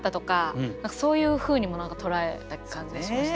そういうふうにも何か捉えた感じがしました。